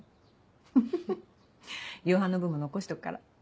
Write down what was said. フフフ夕飯の分も残しとくから。